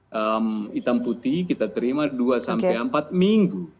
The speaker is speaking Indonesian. hitam putih kita terima dua empat minggu